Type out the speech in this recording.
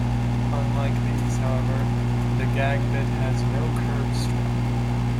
Unlike these, however, the gag bit has no curb strap.